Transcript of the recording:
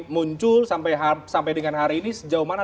muncul sampai dengan hari ini sejauh mana